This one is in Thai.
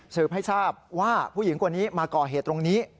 ให้ทราบว่าผู้หญิงคนนี้มาก่อเหตุตรงนี้